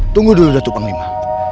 tunggu dulu datuk panglima